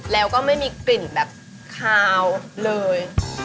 แล้วก็ไม่มีกลิ่นแบบคาวเลย